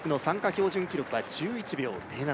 標準記録は１１秒０７